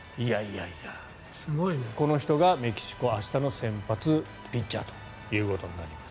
この人がメキシコの明日の先発ピッチャーとなります。